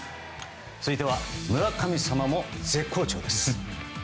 続いては村神様も絶好調です。